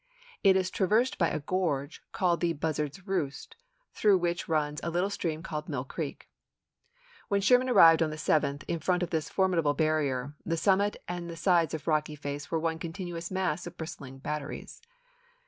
It is traversed by a gorge called the Buzzard's Roost, through which runs a little stream called Mill Creek. When Sherman May, 1864. arrived on the 7th in front of this formidable bar rier, the summit and the sides of Rocky Face were one continuous mass of bristling batteries.